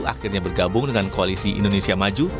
akhirnya bergabung dengan koalisi indonesia maju